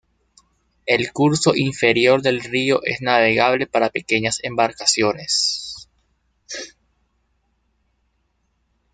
El curso inferior del río es navegable para pequeñas embarcaciones.